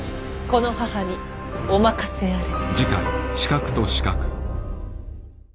この母にお任せあれ。